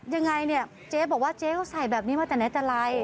ยังไงเนี่ยเจ๊บอกว่าเจ๊เขาใส่แบบนี้มาแต่ไหนแต่ไร